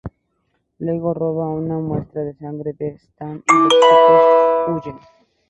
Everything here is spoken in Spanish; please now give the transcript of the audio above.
Luego roba una muestra de sangre de Stan y los chicos huyen.